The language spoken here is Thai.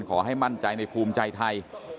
ขอให้มั่นใจในภูมิใจไทย